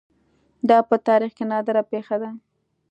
دا په تاریخ کې نادره پېښه ده